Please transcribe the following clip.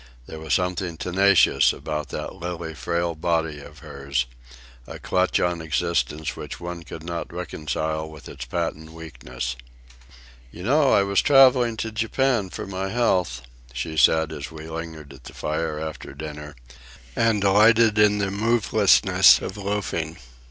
There was something tenacious about that lily frail body of hers, a clutch on existence which one could not reconcile with its patent weakness. "You know I was travelling to Japan for my health," she said, as we lingered at the fire after dinner and delighted in the movelessness of loafing.